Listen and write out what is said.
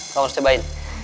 kau harus cobain